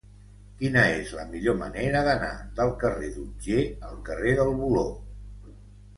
Quina és la millor manera d'anar del carrer d'Otger al carrer del Voló?